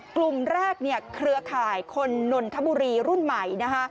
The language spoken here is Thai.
กลุ่มแรกเครือข่ายคนนนทบุรีรุ่นใหม่